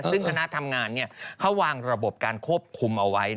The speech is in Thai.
ซึ่งคณะทำงานเขาวางระบบการควบคุมเอาไว้